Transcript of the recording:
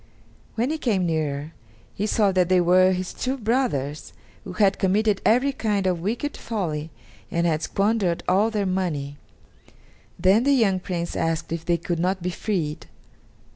When he came nearer, he saw that they were his two brothers, who had committed every kind of wicked folly and had squandered all their money. Then the young Prince asked if they could not be freed.